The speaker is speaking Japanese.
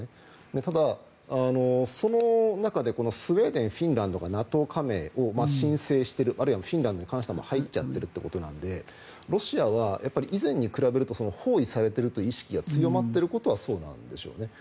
ただ、その中でスウェーデンフィンランドがＮＡＴＯ加盟を申請しているあるいはフィンランドに関しては入っちゃっているのでロシアは以前に比べると包囲されている意識が強まっていることはそうなんでしょうね。